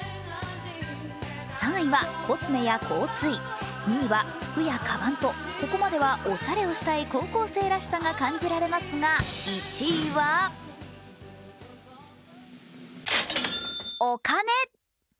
３位はコスメや香水、２位は服やかばんと、ここまではオシャレをしたい高校生らしさが感じられますが１位はお金。